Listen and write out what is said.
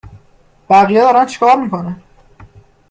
بقیه دارن چیکار می کنن